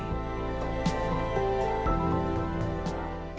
harapannya mereka bisa melanjutkan pendidikan formal